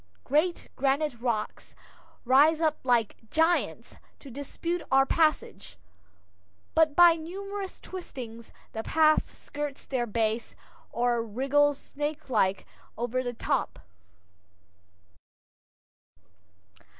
Great granite rocks rise up like giants to dispute our passage, but by numerous twistings the path skirts their base, or wriggles snakelike over the top.